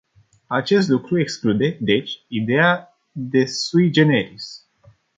Acest lucru exclude, deci, ideea de sui generis.